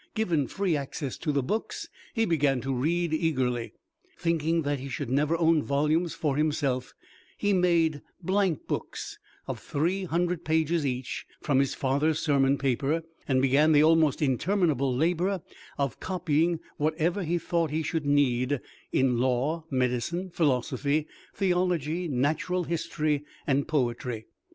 Given free access to the books, he began to read eagerly. Thinking that he should never own volumes for himself, he made blank books, of three hundred pages each, from his father's sermon paper, and began the almost interminable labor of copying whatever he thought he should need in law, medicine, philosophy, theology, natural history, and poetry.